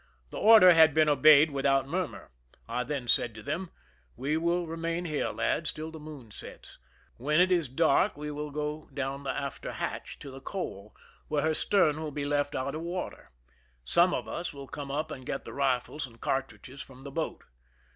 The order had been obeyed without murmur. I then said to them : "We will remain here, lads, till the moon sets. When it is dark we will go down the after hatch, to the coal, where her stern will be left out of water. Some of us will come up and get the rifles and car tridges from the boat.